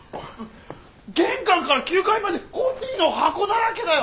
玄関から９階までコピーの箱だらけだよ！